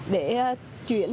để chuyển tin